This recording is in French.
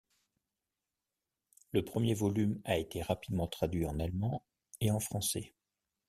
Le premier volume a été rapidement traduit en allemand et en français.